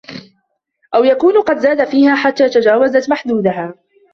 أَوْ يَكُونَ قَدْ زَادَ فِيهَا حَتَّى تَجَاوَزَتْ مَحْدُودَهَا